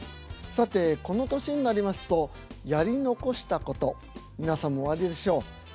さてこの年になりますとやり残したこと皆さんもおありでしょう。